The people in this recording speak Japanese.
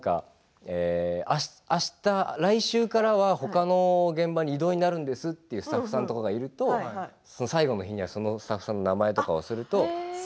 来週からはほかの現場に異動になるんですっていうスタッフさんがいると最後にはそのスタッフさんの名前をすると。